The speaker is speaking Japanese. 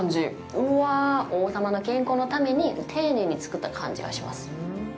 うわぁ、王様の健康のために丁寧に作った感じがします。